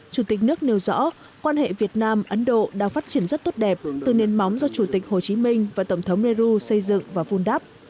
chủ tịch nước nêu rõ quan hệ việt nam ấn độ đang phát triển rất tốt đẹp từ nền móng do chủ tịch hồ chí minh và tổng thống meru xây dựng và vun đắp